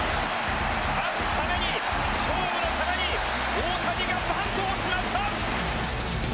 勝つために勝負のために大谷がバントをしました。